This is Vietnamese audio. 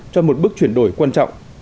cho một bước chuyển đổi quan trọng